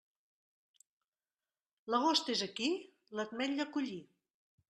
L'agost és aquí?, l'ametlla a collir.